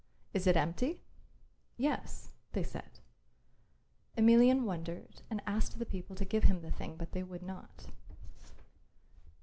"Is it empty?" "Yes," they said. Emelian wondered and asked the people to give him the thing, but they would not.